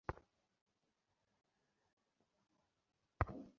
তিনি এখনও পশ্চিমা বিশ্বে পরিচিত।